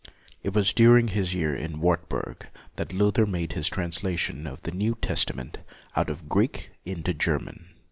It was during his year in the Wartburg that Luther made his translation of the New Testament out of Greek into Ger man.